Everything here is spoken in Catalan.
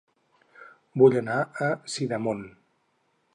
Vull anar a Sidamon